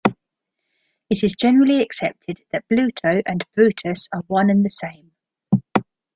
It is generally accepted that Bluto and Brutus are one and the same.